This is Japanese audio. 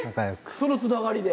そのつながりで？